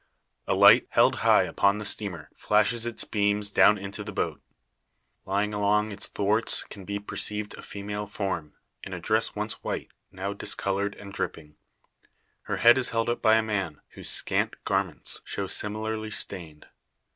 A light, held high upon the steamer, flashes its beams down into, the boat. Lying along its thwarts can be perceived a female form, in a dress once white, now discoloured and dripping. Her head is held up by a man, whose scant garments show similarly stained.